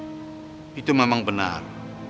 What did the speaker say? masa dibikin malu disini ya allah tolong ya allah